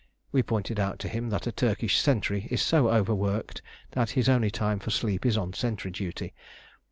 We pointed out to him that a Turkish sentry is so overworked that his only time for sleep is on sentry duty.